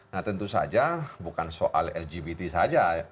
nah tentu saja bukan soal lgbt saja